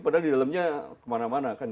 padahal di dalamnya kemana mana kan